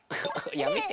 やめて。